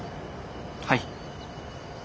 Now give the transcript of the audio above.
はい。